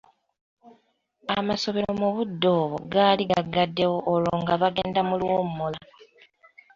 Amasomero mu budde obwo gaali gagaddewo olwo nga bagenda mu luwumula.